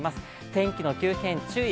天気の急変、注意。